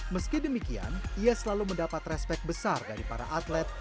meski demikian ia selalu mendapat respect besar dari para atlet